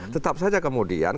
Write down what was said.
tetap saja kemudian